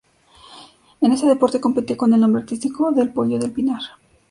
En este deporte competía con el nombre artístico de "El Pollo del Pinar".